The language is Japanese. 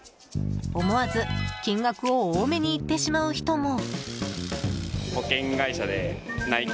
思わず、金額を多めに言ってしまう人も。